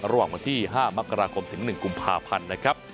ระหว่างวันที่๕มักกราคมจนถึง๑กุมภาพันธุ์